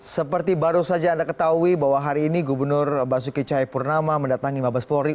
seperti baru saja anda ketahui bahwa hari ini gubernur basuki cahaya purnama mendatangi abespori